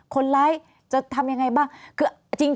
คนร้ายจะทำยังไงบ้าง